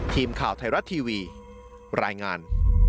ทีมข่าวไทยรัฐทีวีรายงาน